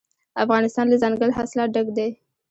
افغانستان له دځنګل حاصلات ډک دی.